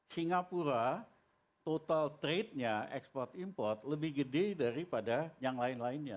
singapura total trade nya ekspor import lebih gede daripada yang lain lainnya